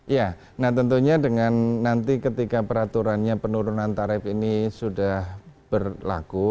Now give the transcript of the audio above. ya nah tentunya dengan nanti ketika peraturannya penurunan tarif ini sudah berlaku